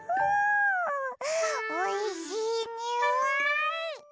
おいしいにおい！